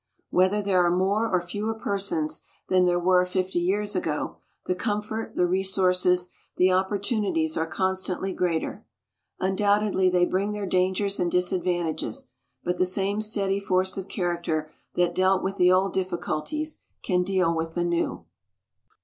Whether there are more or fewer persons than there were fifty years ago, the comfort, the resources, the opportunities are constantly greater. Undoubtedly they bring their dangers and disadvantages. But the same steady force of character that dealt with the old difficulties can deal with the new.